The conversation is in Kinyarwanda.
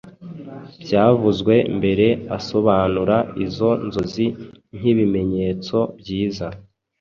byavuzwe mbere asobanura izo nzozi nkibimenyetso byiza